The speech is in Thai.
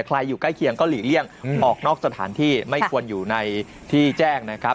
อยู่ใกล้เคียงก็หลีกเลี่ยงออกนอกสถานที่ไม่ควรอยู่ในที่แจ้งนะครับ